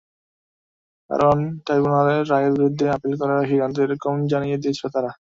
কারণ ট্রাইব্যুনালের রায়ের বিরুদ্ধে আপিল করার সিদ্ধান্ত একরকম জানিয়েই দিয়েছিল তারা।